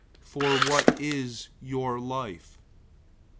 For what is your life?